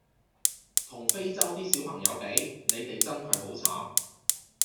同非洲啲小朋友比你哋真係好慘